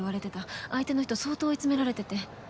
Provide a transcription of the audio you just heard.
相手の人相当追い詰められてて。